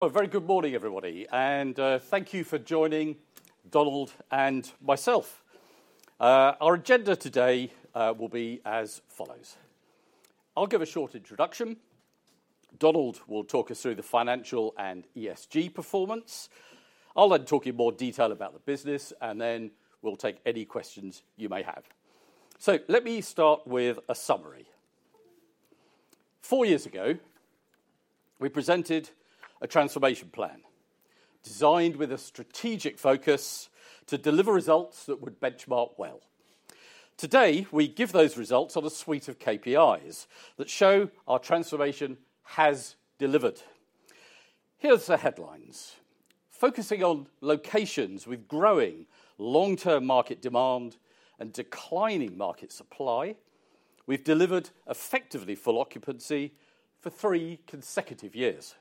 Very good morning, everybody, and thank you for joining Donald and myself. Our agenda today will be as follows. I'll give a short introduction. Donald will talk us through the financial and ESG performance. I'll then talk in more detail about the business, and then we'll take any questions you may have. Let me start with a summary. Four years ago, we presented a transformation plan designed with a strategic focus to deliver results that would benchmark well. Today, we give those results on a suite of KPIs that show our transformation has delivered. Here are the headlines. Focusing on locations with growing long-term market demand and declining market supply, we've delivered effectively full occupancy for three consecutive years.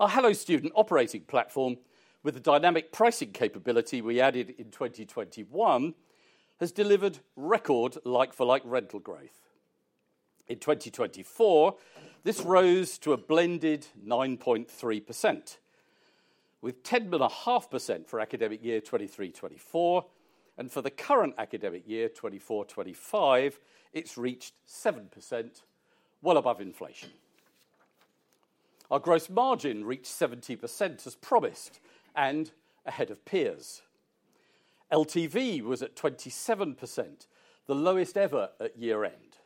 Our Hello Student operating platform, with the dynamic pricing capability we added in 2021, has delivered record like-for-like rental growth. In 2024, this rose to a blended 9.3%, with 10.5% for academic year 2023/2024, and for the current academic year 2024/2025, it's reached 7%, well above inflation. Our gross margin reached 70% as promised and ahead of peers. LTV was at 27%, the lowest ever at year-end.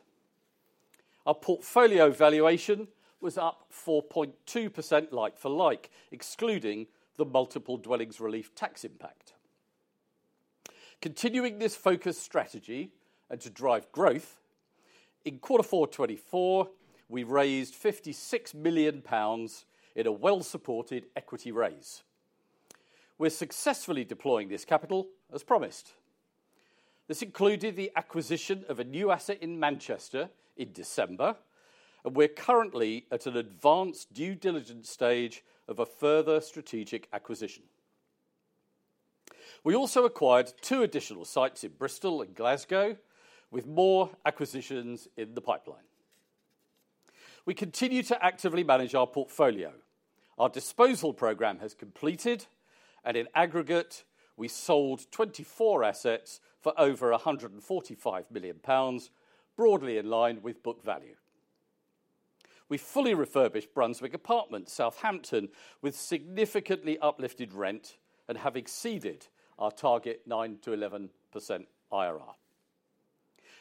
Our portfolio valuation was up 4.2% like-for-like, excluding the Multiple Dwellings Relief tax impact. Continuing this focused strategy and to drive growth, in Q4 2024, we raised 56 million pounds in a well-supported equity raise. We're successfully deploying this capital as promised. This included the acquisition of a new asset in Manchester in December, and we're currently at an advanced due diligence stage of a further strategic acquisition. We also acquired two additional sites in Bristol and Glasgow, with more acquisitions in the pipeline. We continue to actively manage our portfolio. Our disposal program has completed, and in aggregate, we sold 24 assets for over 145 million pounds, broadly in line with book value. We fully refurbished Brunswick Apartments, Southampton, with significantly uplifted rent and have exceeded our target 9-11% IRR.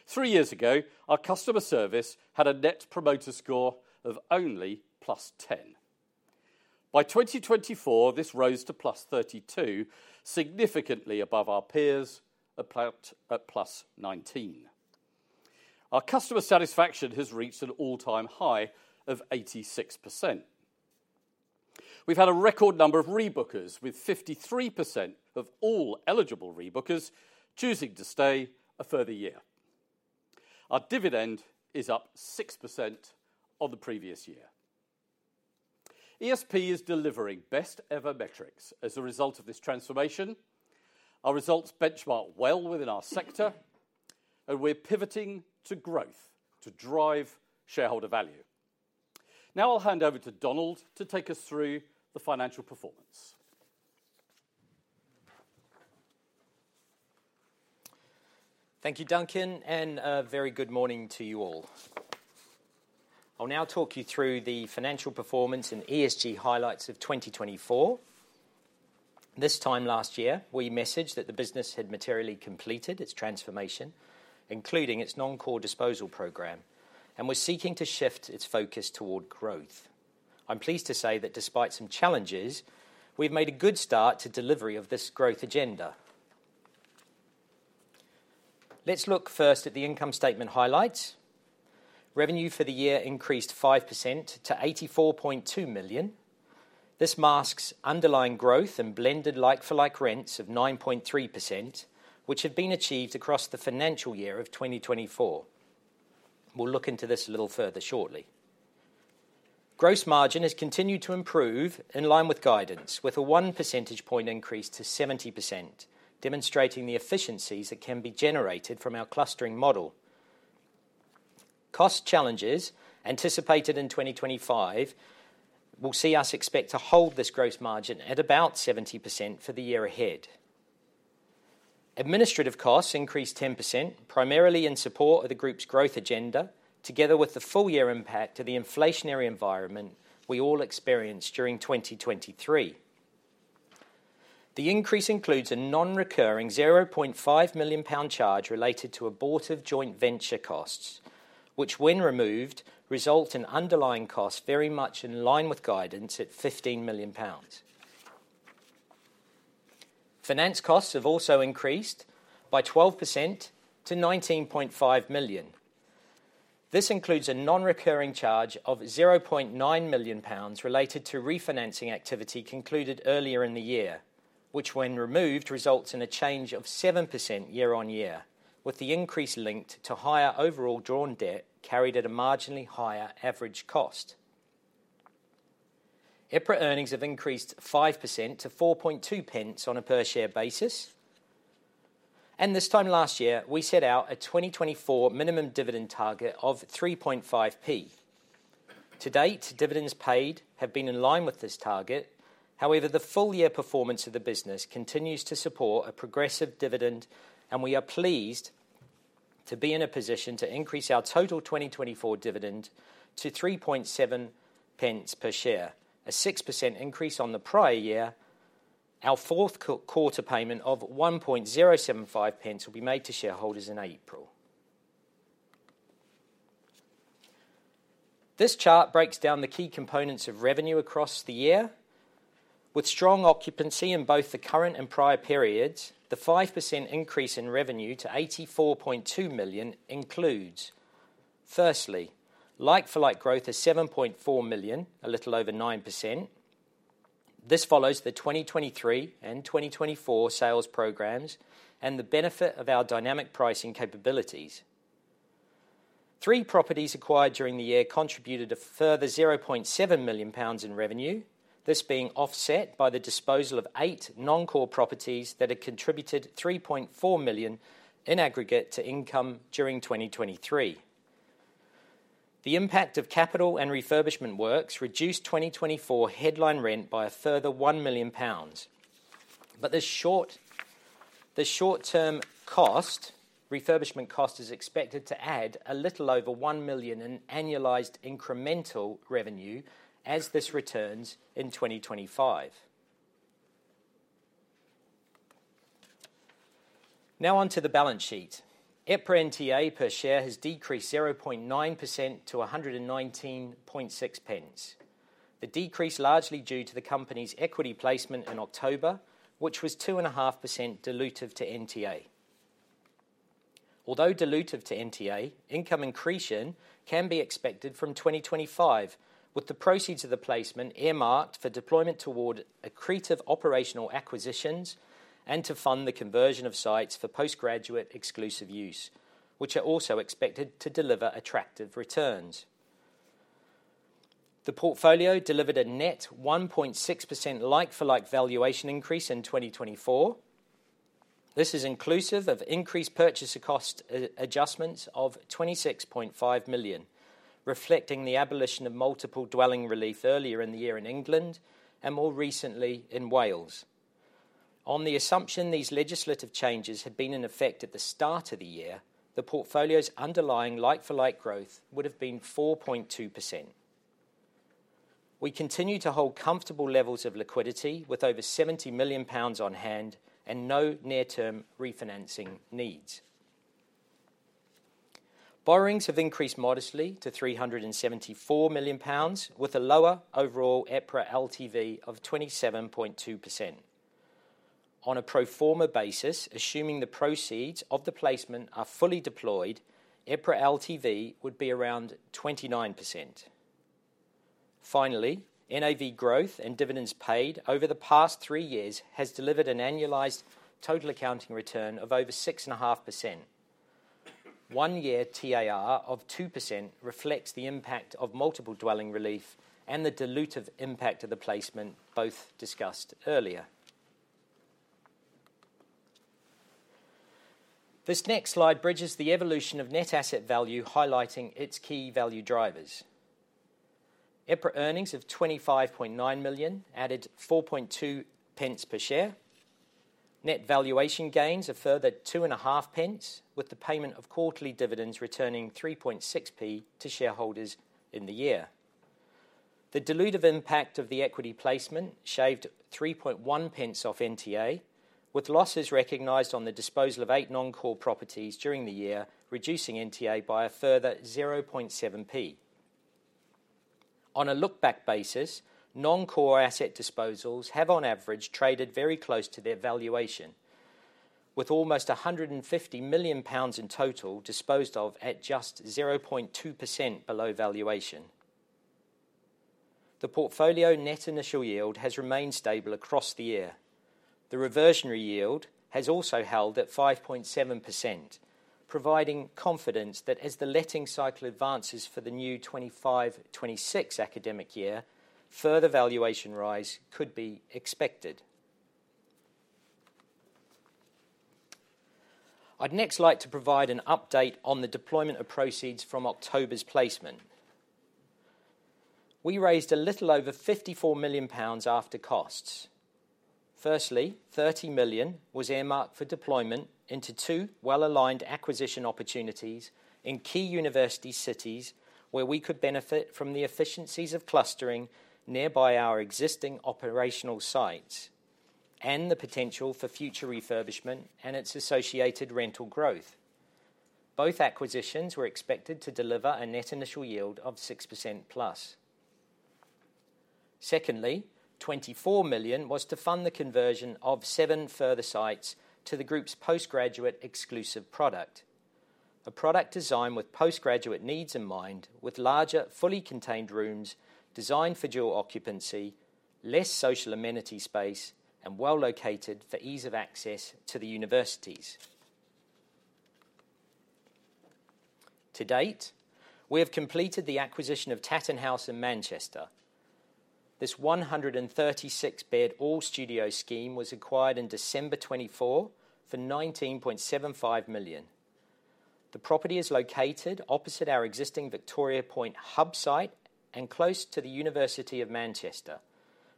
Three years ago, our customer service had a Net Promoter Score of only +10. By 2024, this rose to +32, significantly above our peers at +19. Our customer satisfaction has reached an all-time high of 86%. We've had a record number of rebookers, with 53% of all eligible rebookers choosing to stay a further year. Our dividend is up 6% on the previous year. ESP is delivering best-ever metrics as a result of this transformation. Our results benchmark well within our sector, and we're pivoting to growth to drive shareholder value. Now I'll hand over to Donald to take us through the financial performance. Thank you, Duncan, and a very good morning to you all. I'll now talk you through the financial performance and ESG highlights of 2024. This time last year, we messaged that the business had materially completed its transformation, including its non-core disposal program, and we're seeking to shift its focus toward growth. I'm pleased to say that despite some challenges, we've made a good start to delivery of this growth agenda. Let's look first at the income statement highlights. Revenue for the year increased 5% to 84.2 million. This masks underlying growth and blended like-for-like rents of 9.3%, which have been achieved across the financial year of 2024. We'll look into this a little further shortly. Gross margin has continued to improve in line with guidance, with a 1 percentage point increase to 70%, demonstrating the efficiencies that can be generated from our clustering model. Cost challenges anticipated in 2025 will see us expect to hold this gross margin at about 70% for the year ahead. Administrative costs increased 10%, primarily in support of the group's growth agenda, together with the full-year impact of the inflationary environment we all experienced during 2023. The increase includes a non-recurring 0.5 million pound charge related to abortive joint venture costs, which, when removed, result in underlying costs very much in line with guidance at 15 million pounds. Finance costs have also increased by 12% to 19.5 million. This includes a non-recurring charge of 0.9 million pounds related to refinancing activity concluded earlier in the year, which, when removed, results in a change of 7% year on year, with the increase linked to higher overall drawn debt carried at a marginally higher average cost. EPRA earnings have increased 5% to 4.2 pence on a per-share basis. This time last year, we set out a 2024 minimum dividend target of 3.5p. To date, dividends paid have been in line with this target. However, the full-year performance of the business continues to support a progressive dividend, and we are pleased to be in a position to increase our total 2024 dividend to 0.037 per share, a 6% increase on the prior year. Our fourth quarter payment of 0.01075 will be made to shareholders in April. This chart breaks down the key components of revenue across the year. With strong occupancy in both the current and prior periods, the 5% increase in revenue to 84.2 million includes, firstly, like-for-like growth of 7.4 million, a little over 9%. This follows the 2023 and 2024 sales programs and the benefit of our dynamic pricing capabilities. Three properties acquired during the year contributed a further 0.7 million pounds in revenue, this being offset by the disposal of eight non-core properties that had contributed 3.4 million in aggregate to income during 2023. The impact of capital and refurbishment works reduced 2024 headline rent by a further 1 million pounds. The short-term refurbishment cost is expected to add a little over 1 million in annualized incremental revenue as this returns in 2025. Now on to the balance sheet. EPRA NTA per share has decreased 0.9% to 119.6 pence. The decrease is largely due to the company's equity placement in October, which was 2.5% dilutive to NTA. Although dilutive to NTA, income increase can be expected from 2025, with the proceeds of the placement earmarked for deployment toward accretive operational acquisitions and to fund the conversion of sites for postgraduate exclusive use, which are also expected to deliver attractive returns. The portfolio delivered a net 1.6% like-for-like valuation increase in 2024. This is inclusive of increased purchase cost adjustments of 26.5 million, reflecting the abolition of Multiple Dwelling Relief earlier in the year in England and more recently in Wales. On the assumption these legislative changes had been in effect at the start of the year, the portfolio's underlying like-for-like growth would have been 4.2%. We continue to hold comfortable levels of liquidity with over 70 million pounds on hand and no near-term refinancing needs. Borrowings have increased modestly to 374 million pounds, with a lower overall EPRA LTV of 27.2%. On a pro forma basis, assuming the proceeds of the placement are fully deployed, EPRA LTV would be around 29%. Finally, NAV growth and dividends paid over the past three years has delivered an annualized total accounting return of over 6.5%. One-year TAR of 2% reflects the impact of Multiple Dwelling Relief and the dilutive impact of the placement, both discussed earlier. This next slide bridges the evolution of net asset value, highlighting its key value drivers. EPRA earnings of 25.9 million added 4.2 pence per share. Net valuation gains a further 2.5 pence, with the payment of quarterly dividends returning 3.6 pence to shareholders in the year. The dilutive impact of the equity placement shaved 3.1 pence off NTA, with losses recognized on the disposal of eight non-core properties during the year, reducing NTA by a further 0.7 pence. On a look-back basis, non-core asset disposals have, on average, traded very close to their valuation, with almost 150 million pounds in total disposed of at just 0.2% below valuation. The portfolio net initial yield has remained stable across the year. The reversionary yield has also held at 5.7%, providing confidence that as the letting cycle advances for the new 2025/2026 academic year, further valuation rise could be expected. I'd next like to provide an update on the deployment of proceeds from October's placement. We raised a little over 54 million pounds after costs. Firstly, 30 million was earmarked for deployment into two well-aligned acquisition opportunities in key university cities where we could benefit from the efficiencies of clustering nearby our existing operational sites and the potential for future refurbishment and its associated rental growth. Both acquisitions were expected to deliver a net initial yield of 6%+. Secondly, 24 million was to fund the conversion of seven further sites to the group's postgraduate exclusive product, a product designed with postgraduate needs in mind, with larger fully contained rooms designed for dual occupancy, less social amenity space, and well located for ease of access to the universities. To date, we have completed the acquisition of Tatton House in Manchester. This 136-bed all-studio scheme was acquired in December 2024 for 19.75 million. The property is located opposite our existing Victoria Point hub site and close to the University of Manchester,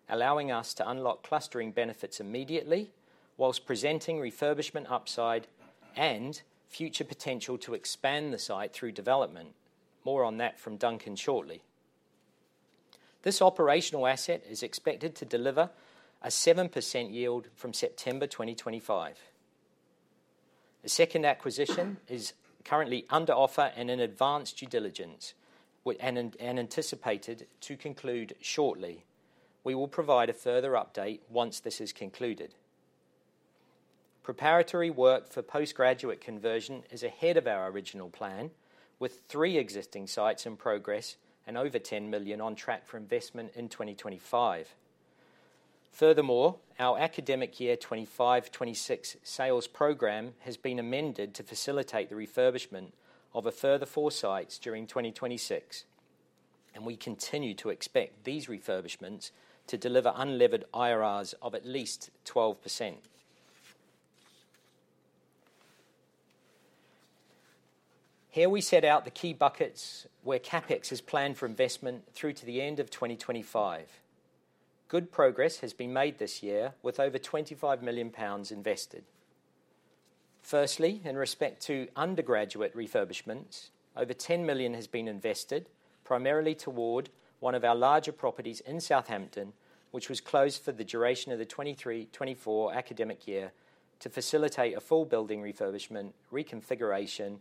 allowing us to unlock clustering benefits immediately whilst presenting refurbishment upside and future potential to expand the site through development. More on that from Duncan shortly. This operational asset is expected to deliver a 7% yield from September 2025. A second acquisition is currently under offer and in advanced due diligence and anticipated to conclude shortly. We will provide a further update once this is concluded. Preparatory work for postgraduate conversion is ahead of our original plan, with three existing sites in progress and over 10 million on track for investment in 2025. Furthermore, our academic year 2025/2026 sales program has been amended to facilitate the refurbishment of a further four sites during 2026, and we continue to expect these refurbishments to deliver unlevered IRRs of at least 12%. Here we set out the key buckets where CapEx is planned for investment through to the end of 2025. Good progress has been made this year with over 25 million pounds invested. Firstly, in respect to undergraduate refurbishments, over 10 million has been invested primarily toward one of our larger properties in Southampton, which was closed for the duration of the 2023/2024 academic year to facilitate a full building refurbishment reconfiguration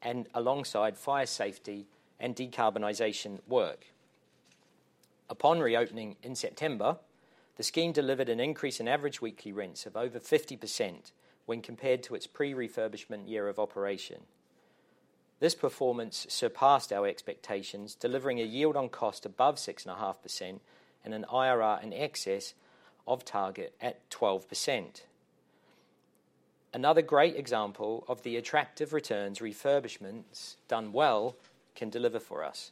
and alongside fire safety and decarbonization work. Upon reopening in September, the scheme delivered an increase in average weekly rents of over 50% when compared to its pre-refurbishment year of operation. This performance surpassed our expectations, delivering a yield on cost above 6.5% and an IRR in excess of target at 12%. Another great example of the attractive returns refurbishments done well can deliver for us.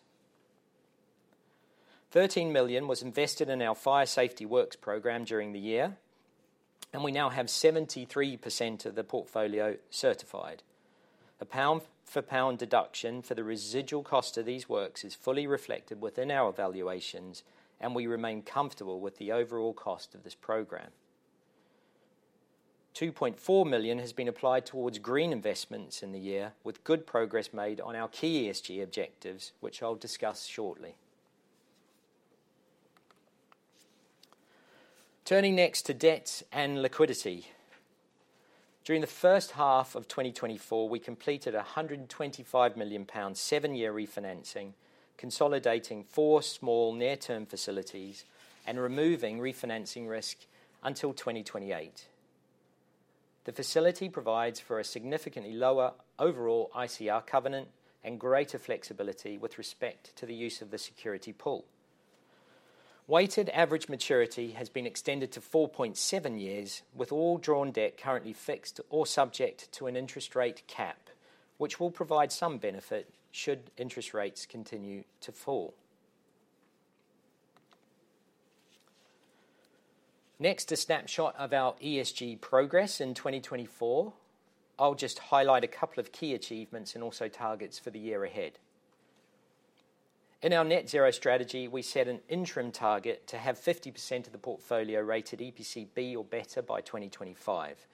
13 million was invested in our fire safety works program during the year, and we now have 73% of the portfolio certified. A pound-for-pound deduction for the residual cost of these works is fully reflected within our valuations, and we remain comfortable with the overall cost of this program. 2.4 million has been applied towards green investments in the year, with good progress made on our key ESG objectives, which I'll discuss shortly. Turning next to debts and liquidity. During the first half of 2024, we completed a 125 million pounds seven-year refinancing, consolidating four small near-term facilities and removing refinancing risk until 2028. The facility provides for a significantly lower overall ICR covenant and greater flexibility with respect to the use of the security pool. Weighted average maturity has been extended to 4.7 years, with all drawn debt currently fixed or subject to an interest rate cap, which will provide some benefit should interest rates continue to fall. Next, a snapshot of our ESG progress in 2024. I will just highlight a couple of key achievements and also targets for the year ahead. In our net zero strategy, we set an interim target to have 50% of the portfolio rated EPC B or better by 2025.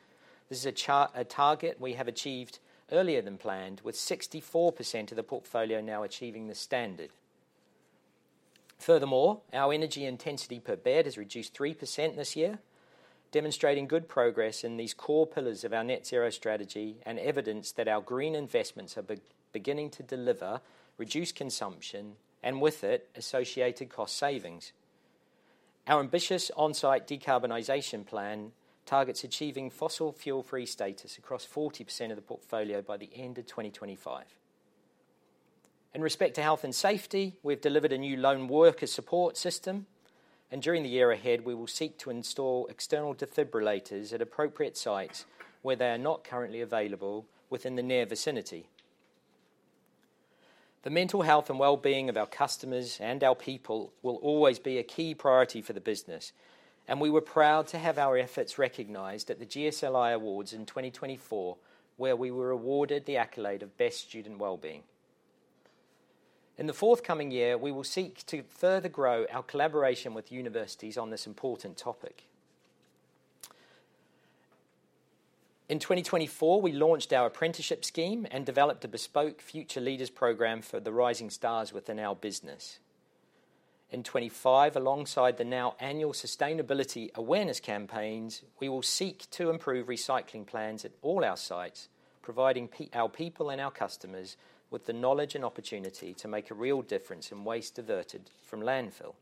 This is a target we have achieved earlier than planned, with 64% of the portfolio now achieving the standard. Furthermore, our energy intensity per bed has reduced 3% this year, demonstrating good progress in these core pillars of our net zero strategy and evidence that our green investments are beginning to deliver reduced consumption and with it associated cost savings. Our ambitious on-site decarbonization plan targets achieving fossil fuel-free status across 40% of the portfolio by the end of 2025. In respect to health and safety, we've delivered a new lone worker support system, and during the year ahead, we will seek to install external defibrillators at appropriate sites where they are not currently available within the near vicinity. The mental health and well-being of our customers and our people will always be a key priority for the business, and we were proud to have our efforts recognized at the GSLI Awards in 2024, where we were awarded the accolade of Best Student Wellbeing. In the forthcoming year, we will seek to further grow our collaboration with universities on this important topic. In 2024, we launched our apprenticeship scheme and developed a bespoke future leaders program for the rising stars within our business. In 2025, alongside the now annual sustainability awareness campaigns, we will seek to improve recycling plans at all our sites, providing our people and our customers with the knowledge and opportunity to make a real difference in waste diverted from landfill.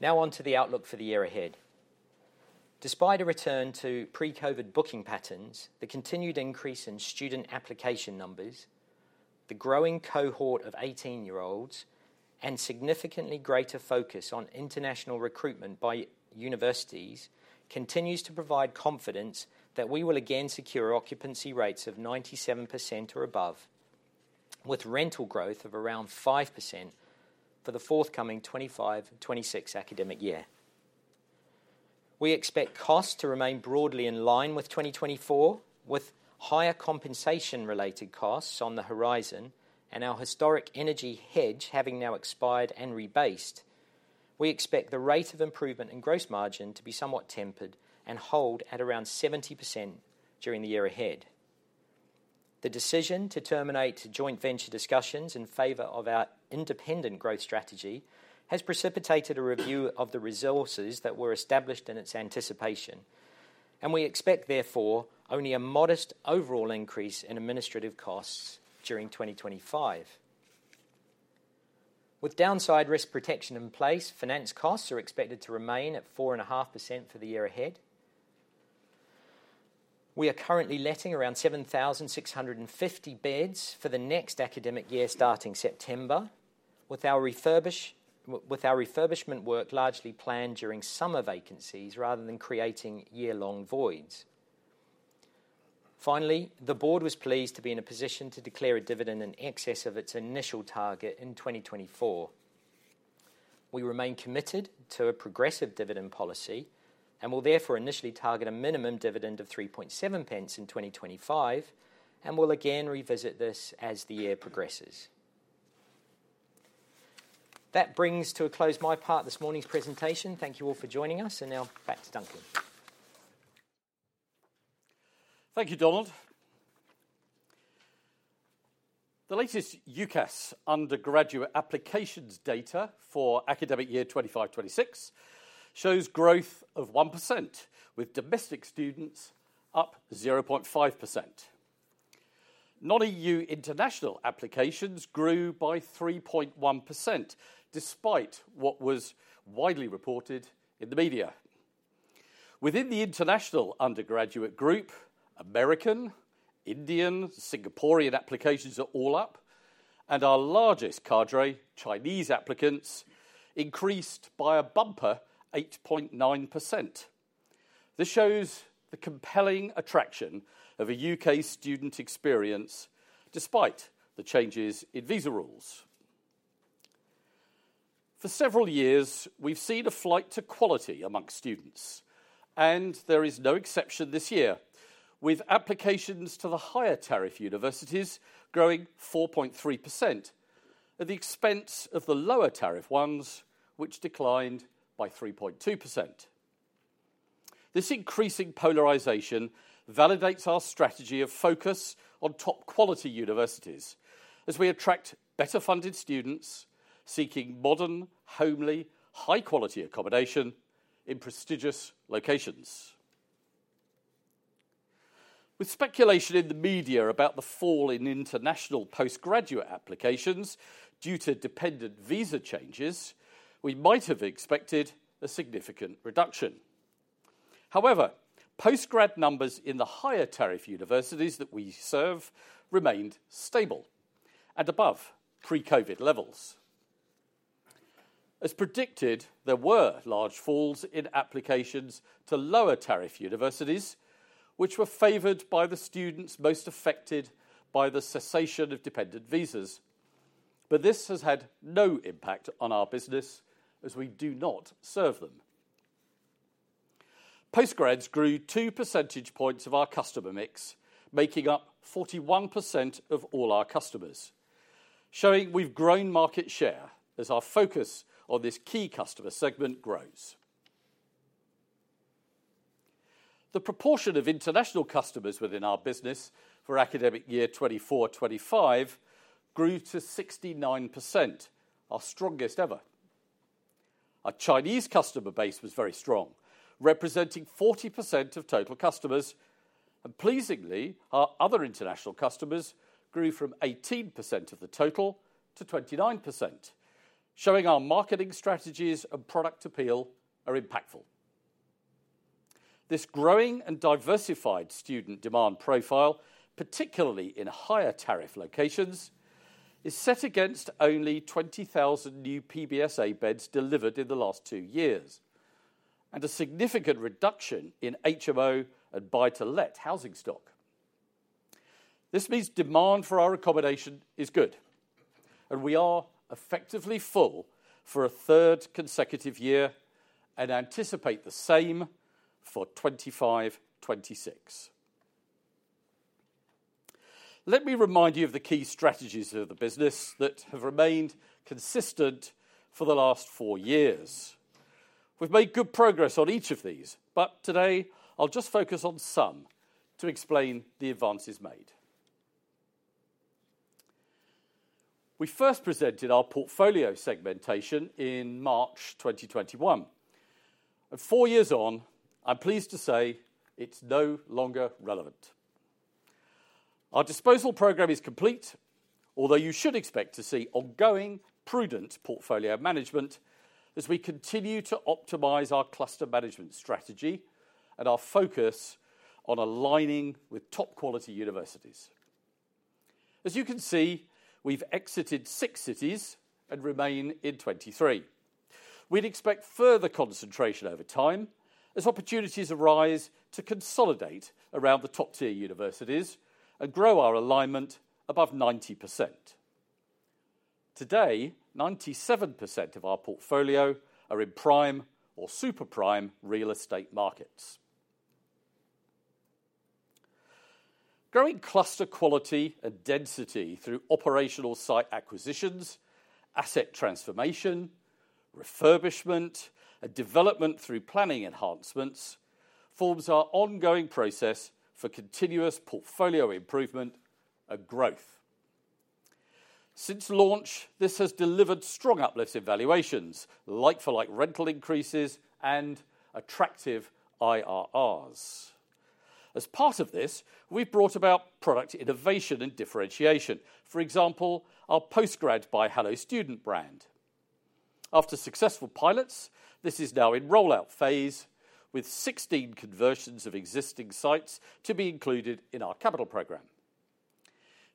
Now on to the outlook for the year ahead. Despite a return to pre-COVID booking patterns, the continued increase in student application numbers, the growing cohort of 18-year-olds, and significantly greater focus on international recruitment by universities continues to provide confidence that we will again secure occupancy rates of 97% or above, with rental growth of around 5% for the forthcoming 2025/2026 academic year. We expect costs to remain broadly in line with 2024, with higher compensation-related costs on the horizon and our historic energy hedge having now expired and rebased. We expect the rate of improvement in gross margin to be somewhat tempered and hold at around 70% during the year ahead. The decision to terminate joint venture discussions in favor of our independent growth strategy has precipitated a review of the resources that were established in its anticipation, and we expect, therefore, only a modest overall increase in administrative costs during 2025. With downside risk protection in place, finance costs are expected to remain at 4.5% for the year ahead. We are currently letting around 7,650 beds for the next academic year starting September, with our refurbishment work largely planned during summer vacancies rather than creating year-long voids. Finally, the board was pleased to be in a position to declare a dividend in excess of its initial target in 2024. We remain committed to a progressive dividend policy and will therefore initially target a minimum dividend of 0.037 in 2025 and will again revisit this as the year progresses. That brings to a close my part of this morning's presentation. Thank you all for joining us, and now back to Duncan. Thank you, Donald. The latest UCAS undergraduate applications data for academic year 2025/2026 shows growth of 1%, with domestic students up 0.5%. Non-EU international applications grew by 3.1% despite what was widely reported in the media. Within the international undergraduate group, American, Indian, Singaporean applications are all up, and our largest category, Chinese applicants, increased by a bumper 8.9%. This shows the compelling attraction of a UK student experience despite the changes in visa rules. For several years, we've seen a flight to quality amongst students, and there is no exception this year, with applications to the higher tariff universities growing 4.3% at the expense of the lower tariff ones, which declined by 3.2%. This increasing polarisation validates our strategy of focus on top quality universities as we attract better funded students seeking modern, homely, high-quality accommodation in prestigious locations. With speculation in the media about the fall in international postgraduate applications due to dependent visa changes, we might have expected a significant reduction. However, postgrad numbers in the higher tariff universities that we serve remained stable and above pre-COVID levels. As predicted, there were large falls in applications to lower tariff universities, which were favored by the students most affected by the cessation of dependent visas, but this has had no impact on our business as we do not serve them. Postgrads grew 2 percentage points of our customer mix, making up 41% of all our customers, showing we've grown market share as our focus on this key customer segment grows. The proportion of international customers within our business for academic year 2024/2025 grew to 69%, our strongest ever. Our Chinese customer base was very strong, representing 40% of total customers, and pleasingly, our other international customers grew from 18% of the total to 29%, showing our marketing strategies and product appeal are impactful. This growing and diversified student demand profile, particularly in higher tariff locations, is set against only 20,000 new PBSA beds delivered in the last two years and a significant reduction in HMO and buy-to-let housing stock. This means demand for our accommodation is good, and we are effectively full for a third consecutive year and anticipate the same for 2025/2026. Let me remind you of the key strategies of the business that have remained consistent for the last four years. We've made good progress on each of these, but today I'll just focus on some to explain the advances made. We first presented our portfolio segmentation in March 2021, and four years on, I'm pleased to say it's no longer relevant. Our disposal program is complete, although you should expect to see ongoing prudent portfolio management as we continue to optimize our cluster management strategy and our focus on aligning with top quality universities. As you can see, we've exited six cities and remain in 23. We'd expect further concentration over time as opportunities arise to consolidate around the top-tier universities and grow our alignment above 90%. Today, 97% of our portfolio are in prime or super prime real estate markets. Growing cluster quality and density through operational site acquisitions, asset transformation, refurbishment, and development through planning enhancements forms our ongoing process for continuous portfolio improvement and growth. Since launch, this has delivered strong uplift in valuations, like-for-like rental increases, and attractive IRRs. As part of this, we've brought about product innovation and differentiation, for example, our Postgraduate by Hello Student brand. After successful pilots, this is now in rollout phase with 16 conversions of existing sites to be included in our capital program.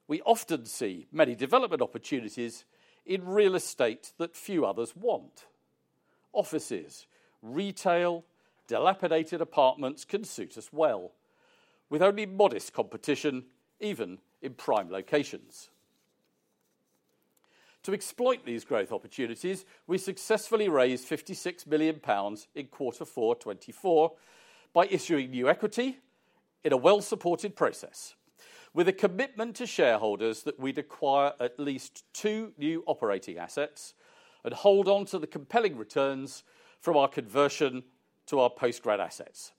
We often see many development opportunities in real estate that few others want. Offices, retail, dilapidated apartments can suit us well, with only modest competition even in prime locations. To exploit these growth opportunities, we successfully raised 56 million pounds in quarter four 2024 by issuing new equity in a well-supported process, with a commitment to shareholders that we'd acquire at least two new operating assets and hold on to the compelling returns from our conversion to our postgrad assets.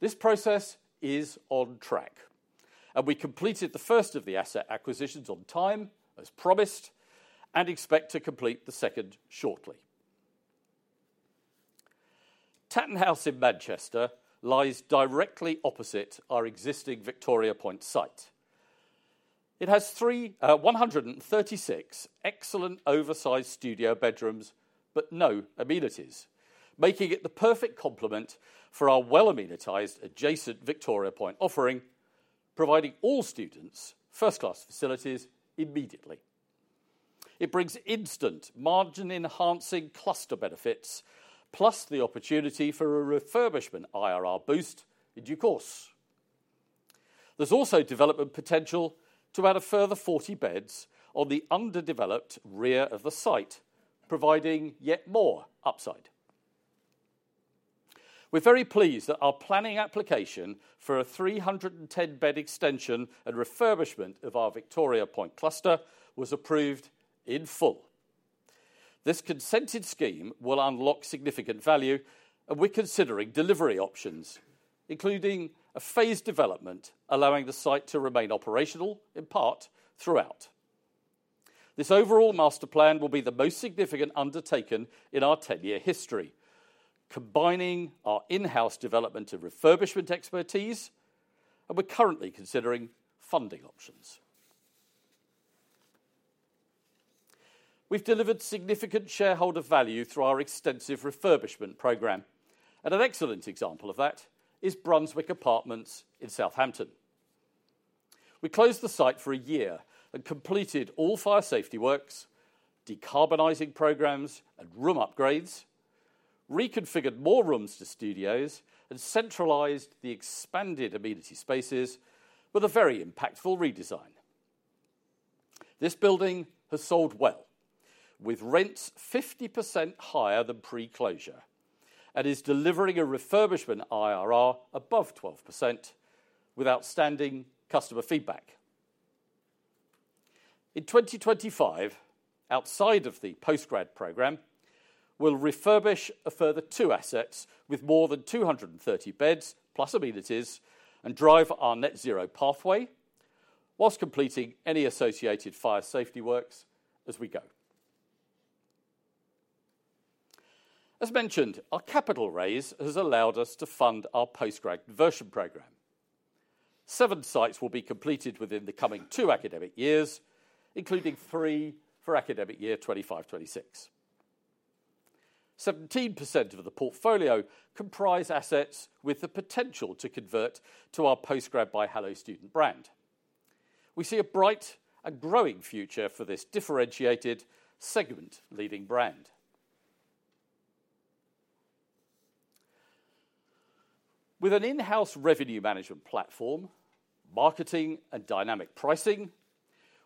This process is on track, and we completed the first of the asset acquisitions on time as promised and expect to complete the second shortly. Tatton House in Manchester lies directly opposite our existing Victoria Point site. It has 136 excellent oversized studio bedrooms but no amenities, making it the perfect complement for our well-amenitised adjacent Victoria Point offering, providing all students first-class facilities immediately. It brings instant margin-enhancing cluster benefits, plus the opportunity for a refurbishment IRR boost in due course. There's also development potential to add a further 40 beds on the underdeveloped rear of the site, providing yet more upside. We're very pleased that our planning application for a 310-bed extension and refurbishment of our Victoria Point cluster was approved in full. This consented scheme will unlock significant value, and we're considering delivery options, including a phased development allowing the site to remain operational in part throughout. This overall master plan will be the most significant undertaken in our 10-year history, combining our in-house development and refurbishment expertise, and we're currently considering funding options. We've delivered significant shareholder value through our extensive refurbishment program, and an excellent example of that is Brunswick Apartments in Southampton. We closed the site for a year and completed all fire safety works, decarbonising programs, and room upgrades, reconfigured more rooms to studios, and centralised the expanded amenity spaces with a very impactful redesign. This building has sold well, with rents 50% higher than pre-closure, and is delivering a refurbishment IRR above 12% with outstanding customer feedback. In 2025, outside of the postgrad program, we'll refurbish a further two assets with more than 230 beds plus amenities and drive our net zero pathway whilst completing any associated fire safety works as we go. As mentioned, our capital raise has allowed us to fund our postgrad conversion program. Seven sites will be completed within the coming two academic years, including three for academic year 2025/2026. 17% of the portfolio comprise assets with the potential to convert to our postgrad by Hello Student brand. We see a bright and growing future for this differentiated segment-leading brand. With an in-house revenue management platform, marketing, and dynamic pricing,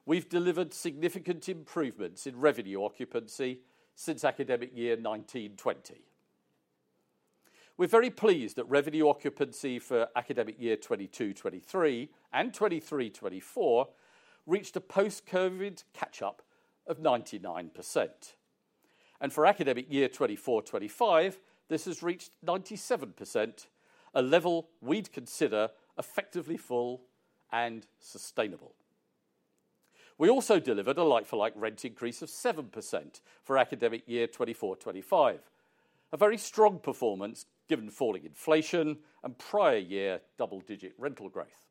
we've delivered significant improvements in revenue occupancy since academic year 2019/2020. We're very pleased that revenue occupancy for academic year 2022/2023 and 2023/2024 reached a post-COVID catch-up of 99%, and for academic year 2024/2025, this has reached 97%, a level we'd consider effectively full and sustainable. We also delivered a like-for-like rent increase of 7% for academic year 2024/2025, a very strong performance given falling inflation and prior year double-digit rental growth.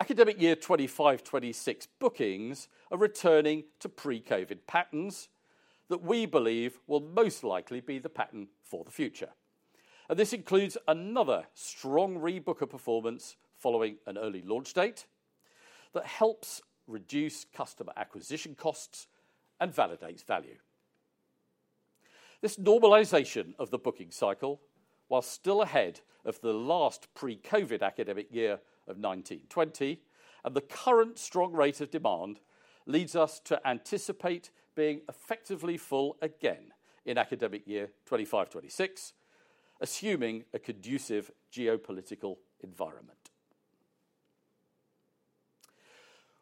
Academic year 2025/2026 bookings are returning to pre-COVID patterns that we believe will most likely be the pattern for the future, and this includes another strong rebooker performance following an early launch date that helps reduce customer acquisition costs and validates value. This normalisation of the booking cycle, while still ahead of the last pre-COVID academic year of 2019/2020 and the current strong rate of demand, leads us to anticipate being effectively full again in academic year 2025/2026, assuming a conducive geopolitical environment.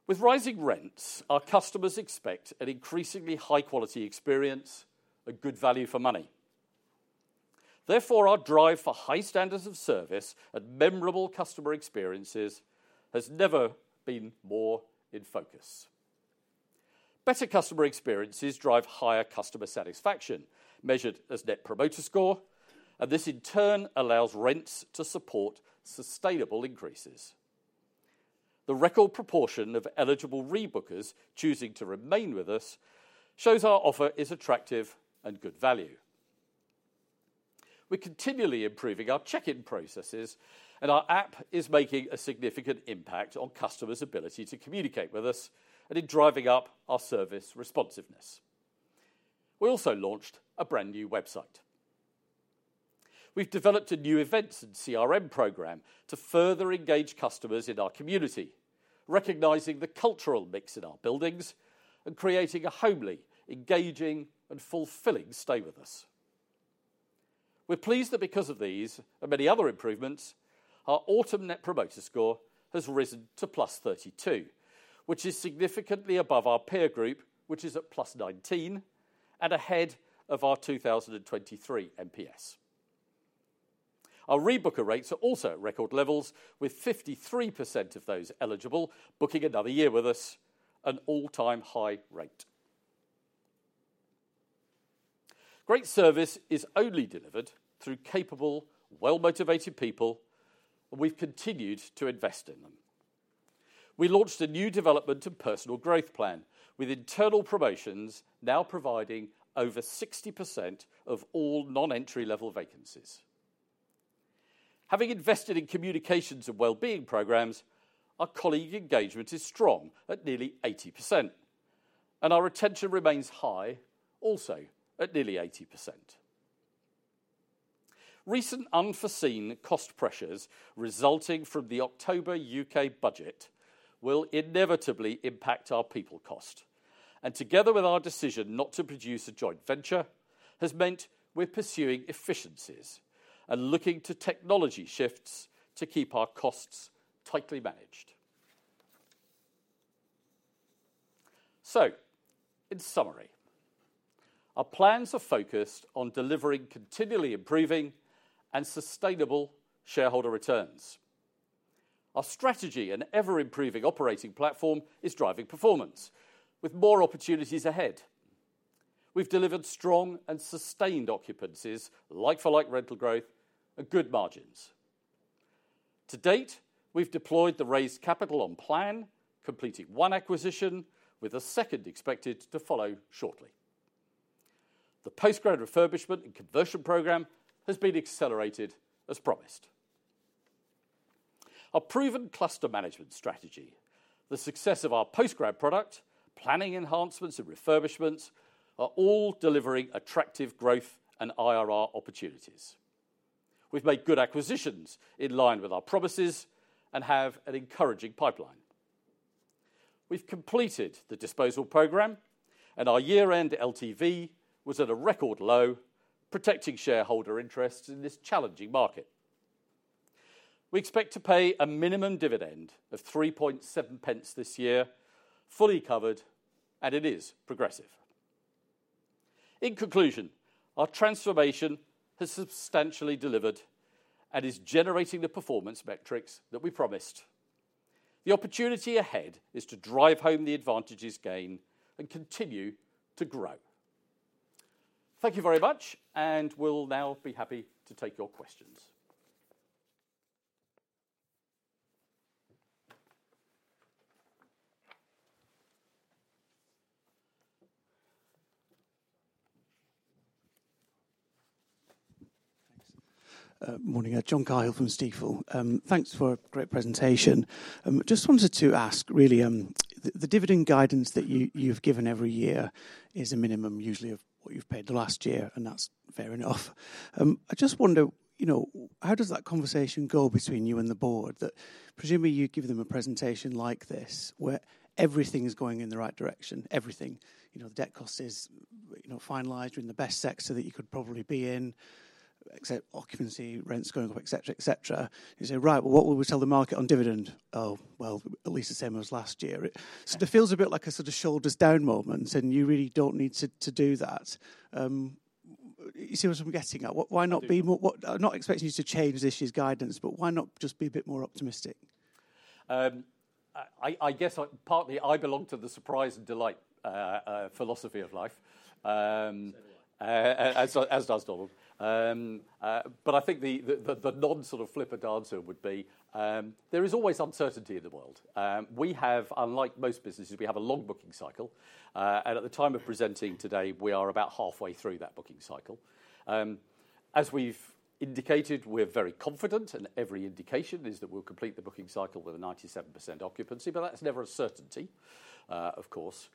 With rising rents, our customers expect an increasingly high-quality experience, a good value for money. Therefore, our drive for high standards of service and memorable customer experiences has never been more in focus. Better customer experiences drive higher customer satisfaction measured as Net Promoter Score, and this in turn allows rents to support sustainable increases. The record proportion of eligible rebookers choosing to remain with us shows our offer is attractive and good value. We're continually improving our check-in processes, and our app is making a significant impact on customers' ability to communicate with us and in driving up our service responsiveness. We also launched a brand-new website. We've developed a new events and CRM program to further engage customers in our community, recognizing the cultural mix in our buildings and creating a homely, engaging, and fulfilling stay with us. We're pleased that because of these and many other improvements, our autumn Net Promoter Score has risen to +32, which is significantly above our peer group, which is at +19 and ahead of our 2023 NPS. Our rebooker rates are also record levels, with 53% of those eligible booking another year with us, an all-time high rate. Great service is only delivered through capable, well-motivated people, and we've continued to invest in them. We launched a new development and personal growth plan with internal promotions now providing over 60% of all non-entry-level vacancies. Having invested in communications and wellbeing programs, our colleague engagement is strong at nearly 80%, and our retention remains high, also at nearly 80%. Recent unforeseen cost pressures resulting from the October U.K. budget will inevitably impact our people cost, and together with our decision not to produce a joint venture has meant we're pursuing efficiencies and looking to technology shifts to keep our costs tightly managed. In summary, our plans are focused on delivering continually improving and sustainable shareholder returns. Our strategy and ever-improving operating platform is driving performance with more opportunities ahead. We've delivered strong and sustained occupancies, like-for-like rental growth, and good margins. To date, we've deployed the raised capital on plan, completing one acquisition with a second expected to follow shortly. The postgrad refurbishment and conversion program has been accelerated as promised. Our proven cluster management strategy, the success of our postgrad product, planning enhancements, and refurbishments are all delivering attractive growth and IRR opportunities. We've made good acquisitions in line with our promises and have an encouraging pipeline. We've completed the disposal program, and our year-end LTV was at a record low, protecting shareholder interests in this challenging market. We expect to pay a minimum dividend of 0.037 this year, fully covered, and it is progressive. In conclusion, our transformation has substantially delivered and is generating the performance metrics that we promised. The opportunity ahead is to drive home the advantages gained and continue to grow. Thank you very much, and we'll now be happy to take your questions. Thanks. Morning, John Cahill from Stifel. Thanks for a great presentation. Just wanted to ask, really, the dividend guidance that you've given every year is a minimum usually of what you've paid the last year, and that's fair enough. I just wonder, how does that conversation go between you and the board that presumably you've given them a presentation like this where everything is going in the right direction, everything? The debt cost is finalized in the best sector that you could probably be in, except occupancy, rents going up, etc., etc. You say, "Right, well, what will we tell the market on dividend?" "Oh, well, at least the same as last year." It feels a bit like a sort of shoulders down moment, and you really don't need to do that. You see what I'm getting at? Why not be more? I'm not expecting you to change this year's guidance, but why not just be a bit more optimistic? I guess partly I belong to the surprise and delight philosophy of life, as does Donald. I think the non-sort of flippant answer would be there is always uncertainty in the world. We have, unlike most businesses, a long booking cycle, and at the time of presenting today, we are about halfway through that booking cycle. As we've indicated, we're very confident, and every indication is that we'll complete the booking cycle with a 97% occupancy, but that's never a certainty, of course.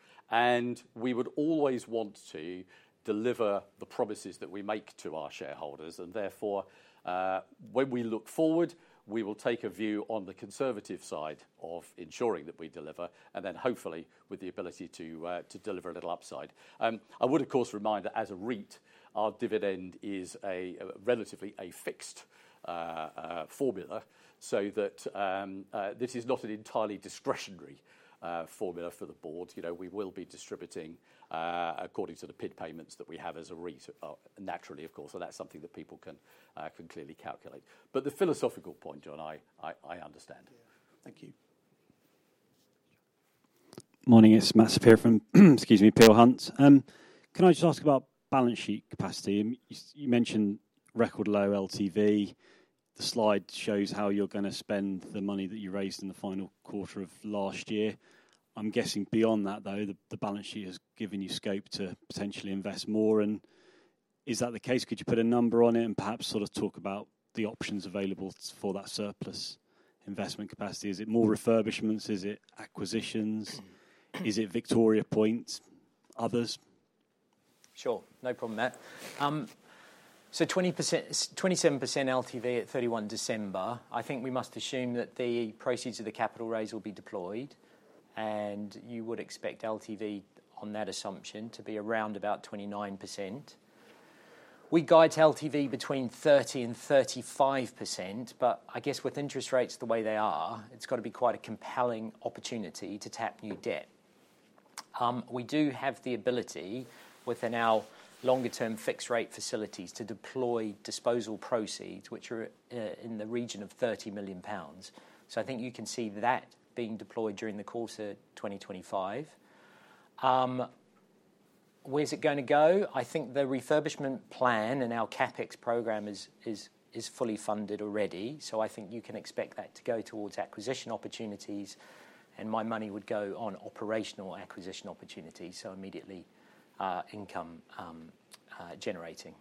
We would always want to deliver the promises that we make to our shareholders, and therefore, when we look forward, we will take a view on the conservative side of ensuring that we deliver, and then hopefully with the ability to deliver a little upside. I would, of course, remind that as a REIT, our dividend is relatively a fixed formula so that this is not an entirely discretionary formula for the board. We will be distributing according to the PID payments that we have as a REIT, naturally, of course, and that's something that people can clearly calculate. The philosophical point, John, I understand. Thank you. Morning, it's Matt Saperia here from, excuse me, Peel Hunt. Can I just ask about balance sheet capacity? You mentioned record low LTV. The slide shows how you're going to spend the money that you raised in the final quarter of last year. I'm guessing beyond that, though, the balance sheet has given you scope to potentially invest more. Is that the case? Could you put a number on it and perhaps sort of talk about the options available for that surplus investment capacity? Is it more refurbishments? Is it acquisitions? Is it Victoria Point? Others? Sure, no problem there. 27% LTV at 31 December. I think we must assume that the proceeds of the capital raise will be deployed, and you would expect LTV on that assumption to be around about 29%. We guide LTV between 30% and 35%, but I guess with interest rates the way they are, it's got to be quite a compelling opportunity to tap new debt. We do have the ability within our longer-term fixed-rate facilities to deploy disposal proceeds, which are in the region of 30 million pounds. I think you can see that being deployed during the course of 2025. Where's it going to go? I think the refurbishment plan and our CapEx program is fully funded already, so I think you can expect that to go towards acquisition opportunities, and my money would go on operational acquisition opportunities, so immediately income generating.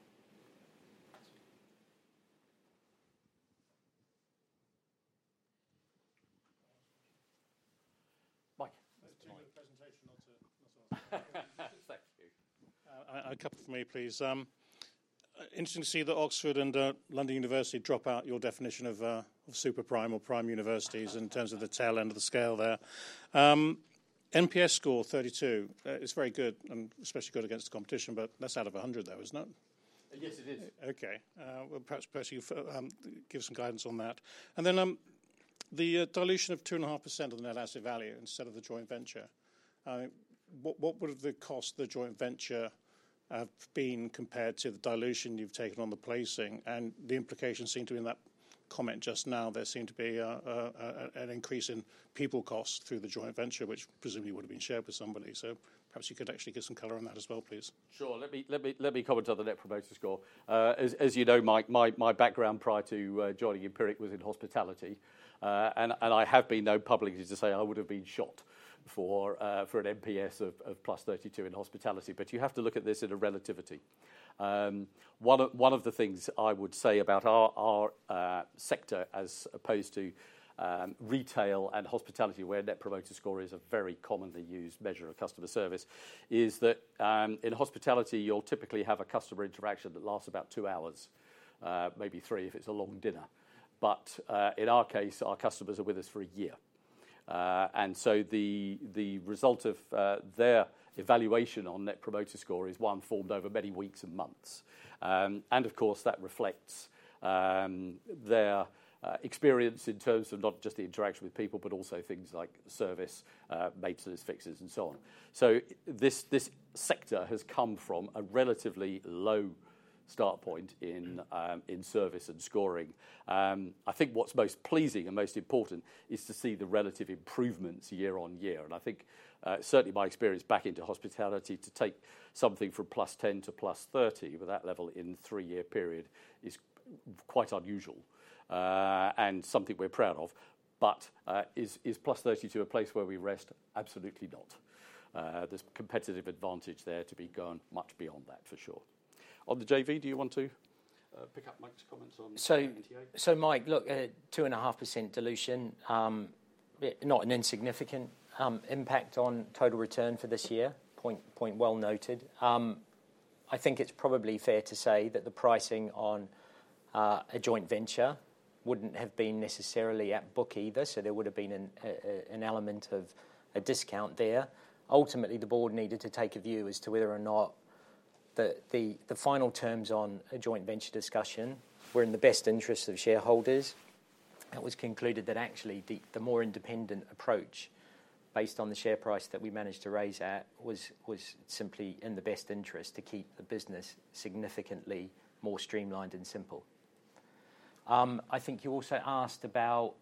Mike. That's too much. Thank you. A couple for me, please. Interesting to see that Oxford and London University drop out your definition of super prime or prime universities in terms of the tail end of the scale there. NPS score 32 is very good and especially good against the competition, but that's out of 100, though, isn't it? Yes, it is. Okay. Perhaps you can give some guidance on that. The dilution of 2.5% of the net asset value instead of the joint venture. What would have the cost of the joint venture have been compared to the dilution you've taken on the placing? The implication seemed to be in that comment just now, there seemed to be an increase in people costs through the joint venture, which presumably would have been shared with somebody. Perhaps you could actually give some color on that as well, please. Sure. Let me cover another Net Promoter Score. As you know, Mike, my background prior to joining Empiric was in hospitality, and I have been known publicly to say I would have been shot for an NPS of +32 in hospitality, but you have to look at this in a relativity. One of the things I would say about our sector as opposed to retail and hospitality, where Net Promoter Score is a very commonly used measure of customer service, is that in hospitality you'll typically have a customer interaction that lasts about two hours, maybe three if it's a long dinner. In our case, our customers are with us for a year. The result of their evaluation on Net Promoter Score is one formed over many weeks and months. Of course, that reflects their experience in terms of not just the interaction with people, but also things like service, maintenance, fixes, and so on. This sector has come from a relatively low start point in service and scoring. I think what's most pleasing and most important is to see the relative improvements year on year. I think certainly my experience back into hospitality to take something from +10 to +30 with that level in a three-year period is quite unusual and something we're proud of. Is +30 to a place where we rest? Absolutely not. There's competitive advantage there to be gone much beyond that, for sure. On the JV, do you want to pick up Mike's comments on 2028? Mike, look, 2.5% dilution, not an insignificant impact on total return for this year, point well noted. I think it's probably fair to say that the pricing on a joint venture wouldn't have been necessarily at book either, so there would have been an element of a discount there. Ultimately, the board needed to take a view as to whether or not the final terms on a joint venture discussion were in the best interest of shareholders. It was concluded that actually the more independent approach based on the share price that we managed to raise at was simply in the best interest to keep the business significantly more streamlined and simple. I think you also asked about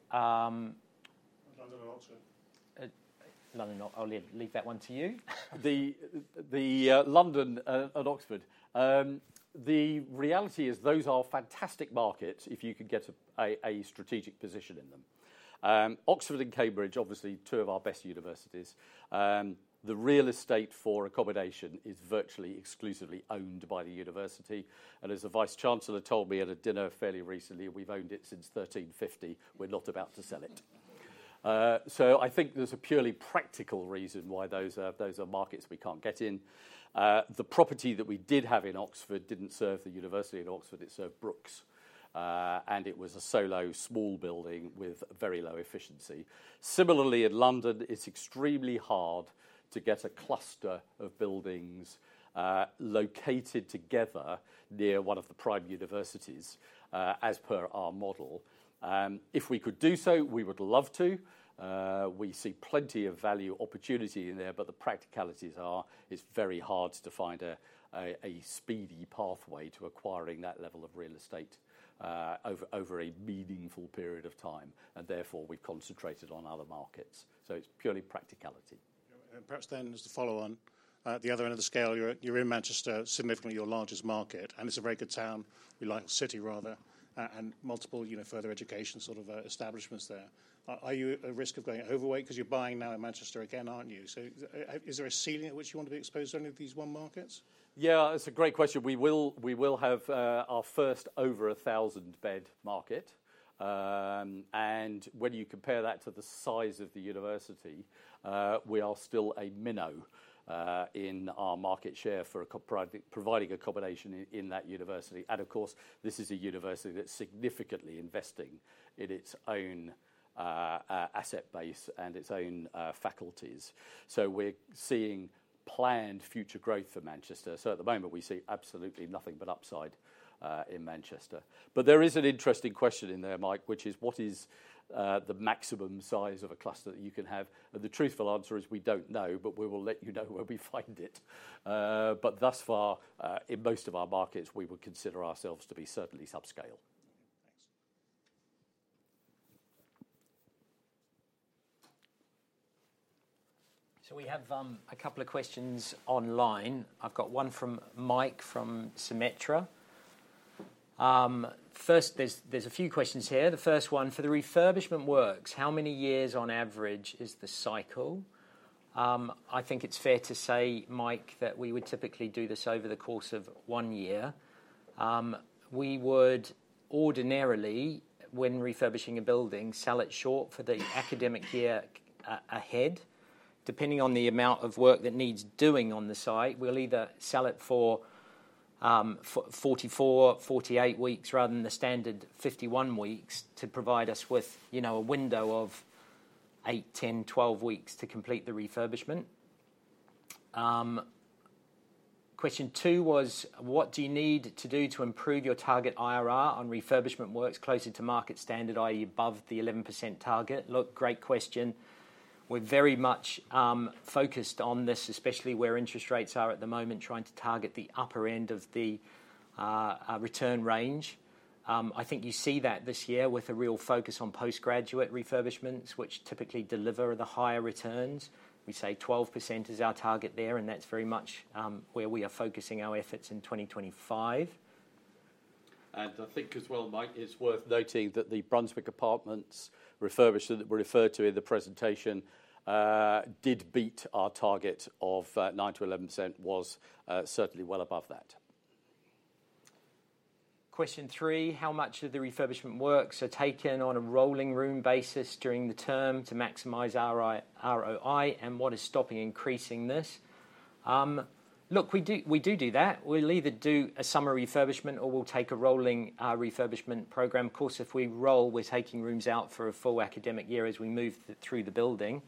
London, Oxford. London, I'll leave that one to you. The London and Oxford. The reality is those are fantastic markets if you could get a strategic position in them. Oxford and Cambridge, obviously two of our best universities. The real estate for accommodation is virtually exclusively owned by the university. As the Vice Chancellor told me at a dinner fairly recently, we've owned it since 1350. We're not about to sell it. I think there's a purely practical reason why those are markets we can't get in. The property that we did have in Oxford didn't serve the university in Oxford. It served Brookes, and it was a solo small building with very low efficiency. Similarly, in London, it's extremely hard to get a cluster of buildings located together near one of the prime universities, as per our model. If we could do so, we would love to. We see plenty of value opportunity in there, but the practicalities are it's very hard to find a speedy pathway to acquiring that level of real estate over a meaningful period of time, and therefore we've concentrated on other markets. It's purely practicality. Perhaps then as a follow-on, at the other end of the scale, you're in Manchester, significantly your largest market, and it's a very good town, like city rather, and multiple further education sort of establishments there. Are you at risk of going overweight because you're buying now in Manchester again, aren't you? Is there a ceiling at which you want to be exposed to any of these one markets? Yeah, it's a great question. We will have our first over 1,000-bed market. When you compare that to the size of the university, we are still a minnow in our market share for providing accommodation in that university. Of course, this is a university that's significantly investing in its own asset base and its own faculties. We are seeing planned future growth for Manchester. At the moment, we see absolutely nothing but upside in Manchester. There is an interesting question in there, Mike, which is what is the maximum size of a cluster that you can have? The truthful answer is we do not know, but we will let you know when we find it. Thus far, in most of our markets, we would consider ourselves to be certainly subscale. Thanks. We have a couple of questions online. I have one from Mike from Symetra. First, there are a few questions here. The first one, for the refurbishment works, how many years on average is the cycle? I think it's fair to say, Mike, that we would typically do this over the course of one year. We would ordinarily, when refurbishing a building, sell it short for the academic year ahead. Depending on the amount of work that needs doing on the site, we'll either sell it for 44-48 weeks rather than the standard 51 weeks to provide us with a window of 8-10-12 weeks to complete the refurbishment. Question two was, what do you need to do to improve your target IRR on refurbishment works closer to market standard, i.e., above the 11% target? Look, great question. We're very much focused on this, especially where interest rates are at the moment, trying to target the upper end of the return range. I think you see that this year with a real focus on postgraduate refurbishments, which typically deliver the higher returns. We say 12% is our target there, and that's very much where we are focusing our efforts in 2025. I think as well, Mike, it's worth noting that the Brunswick Apartments refurbishment that we referred to in the presentation did beat our target of 9%-11%, was certainly well above that. Question three, how much of the refurbishment works are taken on a rolling room basis during the term to maximize ROI, and what is stopping increasing this? Look, we do do that. We'll either do a summer refurbishment or we'll take a rolling refurbishment program. Of course, if we roll, we're taking rooms out for a full academic year as we move through the building.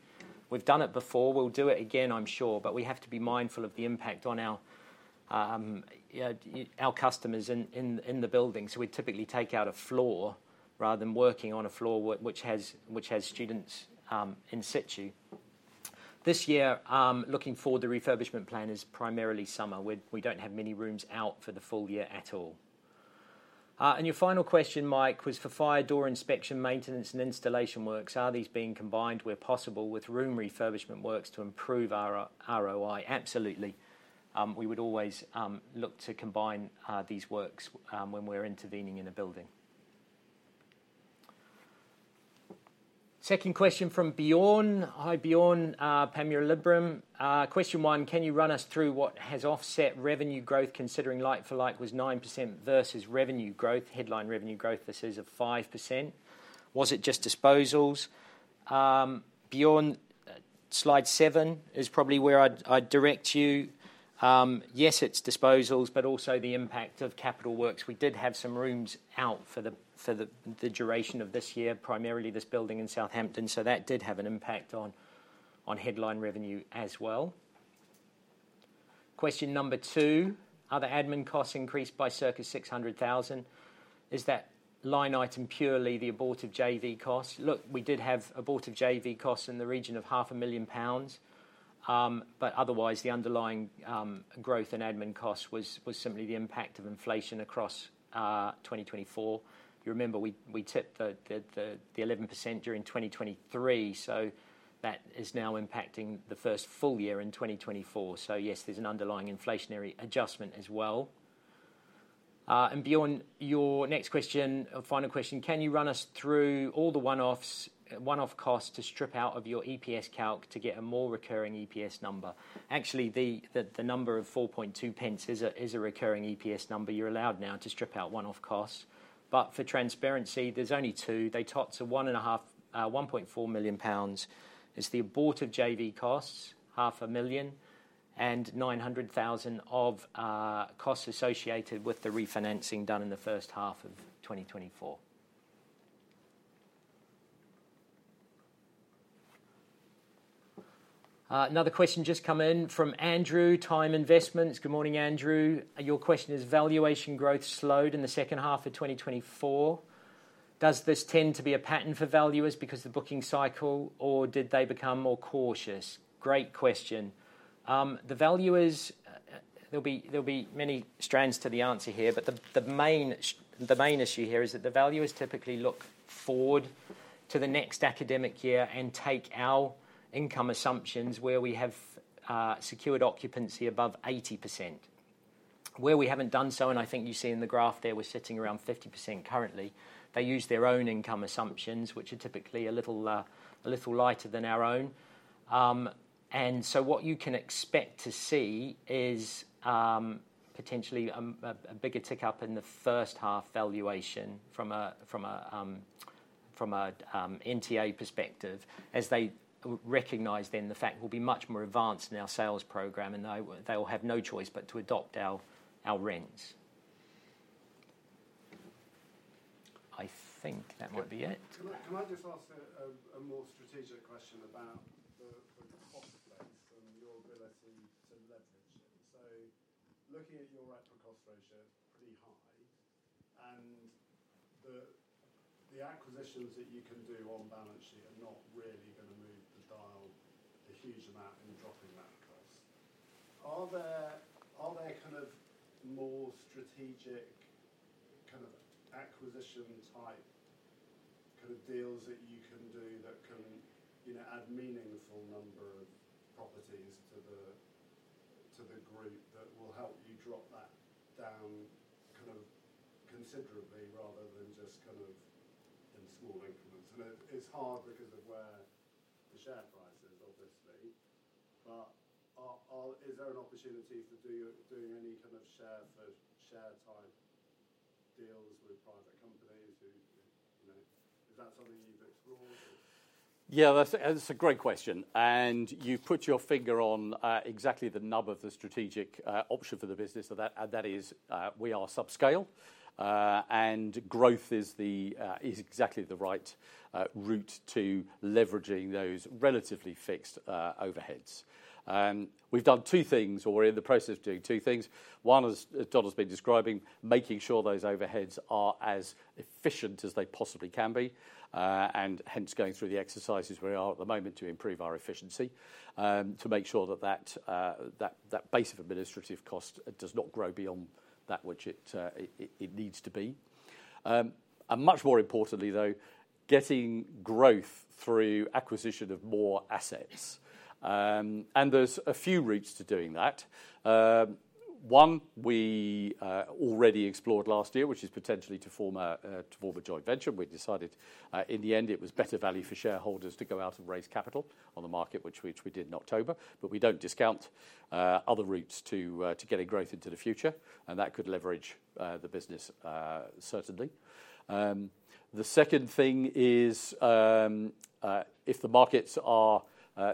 We've done it before. We'll do it again, I'm sure, but we have to be mindful of the impact on our customers in the building. We typically take out a floor rather than working on a floor which has students in situ. This year, looking forward, the refurbishment plan is primarily summer. We do not have many rooms out for the full year at all. Your final question, Mike, was for fire door inspection, maintenance, and installation works. Are these being combined where possible with room refurbishment works to improve our ROI? Absolutely. We would always look to combine these works when we are intervening in a building. Second question from Bjorn. Hi, Bjorn, Panmure Liberum. Question one, can you run us through what has offset revenue growth considering Like-for-like was 9% versus revenue growth, headline revenue growth, this is of 5%? Was it just disposals? Bjorn, slide seven is probably where I'd direct you. Yes, it's disposals, but also the impact of capital works. We did have some rooms out for the duration of this year, primarily this building in Southampton, so that did have an impact on headline revenue as well. Question number two, are the admin costs increased by circa 600,000? Is that line item purely the abort of JV costs? Look, we did have abort of JV costs in the region of 500,000 pounds, but otherwise, the underlying growth in admin costs was simply the impact of inflation across 2024. You remember we tipped the 11% during 2023, so that is now impacting the first full year in 2024. Yes, there's an underlying inflationary adjustment as well. Bjorn, your next question, final question, can you run us through all the one-off costs to strip out of your EPS calc to get a more recurring EPS number? Actually, the number of 4.2 pence is a recurring EPS number. You're allowed now to strip out one-off costs. For transparency, there's only two. They tot to 1.4 million pounds. It's the abort of JV costs, 500,000, and 900,000 of costs associated with the refinancing done in the first half of 2024. Another question just come in from Andrew, TIME Investments. Good morning, Andrew. Your question is, valuation growth slowed in the second half of 2024. Does this tend to be a pattern for valuers because of the booking cycle, or did they become more cautious? Great question. The valuers, there'll be many strands to the answer here, but the main issue here is that the valuers typically look forward to the next academic year and take our income assumptions where we have secured occupancy above 80%. Where we haven't done so, and I think you see in the graph there, we're sitting around 50% currently. They use their own income assumptions, which are typically a little lighter than our own. What you can expect to see is potentially a bigger tick up in the first half valuation from an NTA perspective, as they recognize then the fact we'll be much more advanced in our sales program, and they will have no choice but to adopt our rents. I think that might be it. Can I just ask a more strategic question about the cost base and your ability to leverage it? Looking at your actual cost ratio, it's pretty high, and the acquisitions that you can do on balance sheet are not really going to move the dial a huge amount in dropping that cost. Are there more strategic kind of acquisition type deals that you can do that can add meaningful number of properties to the group that will help you drop that down considerably rather than just in small increments? It's hard because of where the share price is, obviously. Is there an opportunity for doing any kind of share-for-share type deals with private companies? Is that something you've explored? Yeah, that's a great question. You have put your finger on exactly the nub of the strategic option for the business, and that is we are subscale, and growth is exactly the right route to leveraging those relatively fixed overheads. We have done two things, or we are in the process of doing two things. One is, as Don has been describing, making sure those overheads are as efficient as they possibly can be, and hence going through the exercises we are at the moment to improve our efficiency to make sure that that base of administrative cost does not grow beyond that which it needs to be. Much more importantly, though, getting growth through acquisition of more assets. There are a few routes to doing that. One we already explored last year, which is potentially to form a joint venture. We decided in the end it was better value for shareholders to go out and raise capital on the market, which we did in October. We do not discount other routes to getting growth into the future, and that could leverage the business certainly. The second thing is if the markets are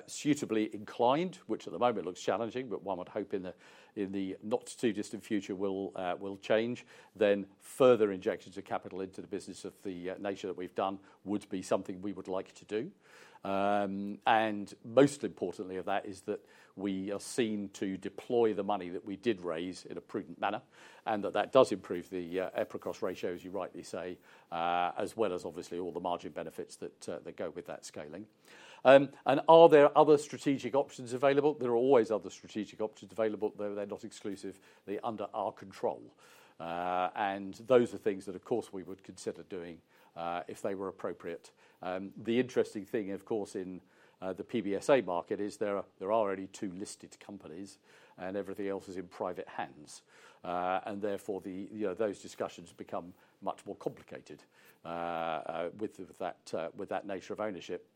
suitably inclined, which at the moment looks challenging, but one would hope in the not too distant future will change, further injections of capital into the business of the nature that we have done would be something we would like to do. Most importantly, we are seen to deploy the money that we did raise in a prudent manner, and that does improve the EPRA cost ratio, as you rightly say, as well as obviously all the margin benefits that go with that scaling. Are there other strategic options available? There are always other strategic options available, though they're not exclusive. They are under our control. Those are things that, of course, we would consider doing if they were appropriate. The interesting thing, of course, in the PBSA market is there are already two listed companies, and everything else is in private hands. Therefore, those discussions become much more complicated with that nature of ownership.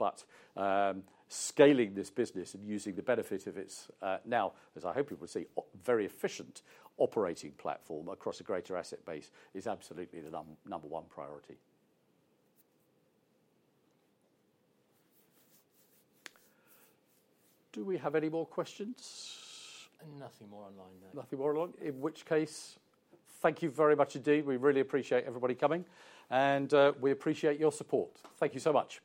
Scaling this business and using the benefit of its now, as I hope you will see, very efficient operating platform across a greater asset base is absolutely the number one priority. Do we have any more questions? Nothing more online now. Nothing more online. In which case, thank you very much indeed. We really appreciate everybody coming, and we appreciate your support. Thank you so much.